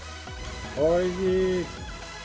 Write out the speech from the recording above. おいしい！